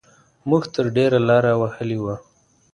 موږ تر ډېره لاره وهلې وه.